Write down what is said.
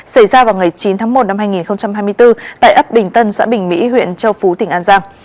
xảy ra vào ngày chín tháng một năm hai nghìn hai mươi bốn tại ấp bình tân xã bình mỹ huyện châu phú tỉnh an giang